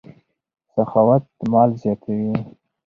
سخاوت مال زیاتوي.